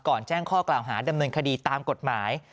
แจ้งข้อกล่าวหาดำเนินคดีตามกฎหมาย